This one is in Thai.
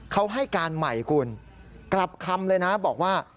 เขาให้การใหม่คุณกลับคำเลยนะบอกว่า